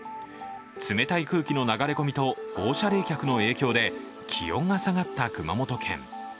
冷たい空気の流れ込みと放射冷却の影響で、気温が下がった熊本県。